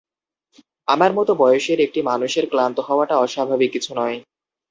আমার মতো বয়সের একটি মানুষের ক্লান্ত হওয়াটা অস্বাভাবিক কিছু নয়।